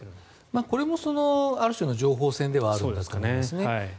これもある種の情報戦ではあると思うんですね。